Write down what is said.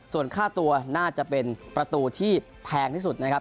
ส่วนค่าตัวน่าจะเป็นประตูที่แพงที่สุดนะครับ